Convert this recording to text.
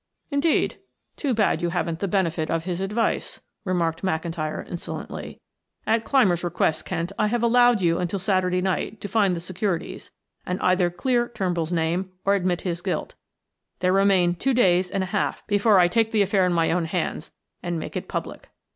"Indeed? Too bad you haven't the benefit of his advice," remarked McIntyre insolently. "At Clymer's request, Kent, I have allowed you until Saturday night to find the securities and either clear Turnbull's name or admit his guilt; there remain two days and a half before I take the affair in my own hands and make it public."